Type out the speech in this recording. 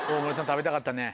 食べたかったね。